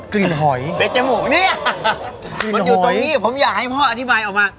หอยเป็นจมูกเนี่ยมันอยู่ตรงนี้ผมอยากให้พ่ออธิบายออกมา